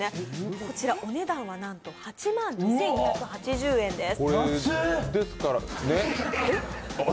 こちら、お値段はなんと８２２８０円です。